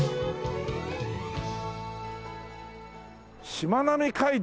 しまなみ海道。